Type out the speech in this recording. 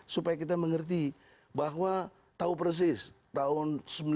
supaya kita mengerti bahwa tahu persis tahun seribu sembilan ratus sembilan puluh